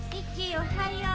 おはよう！